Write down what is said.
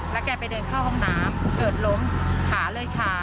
แล้วแกไปเดินเข้าห้องน้ำเกิดล้มขาเลยชา